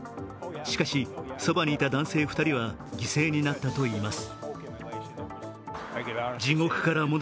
しかし、そばにいた男性２人は犠牲になったといいます。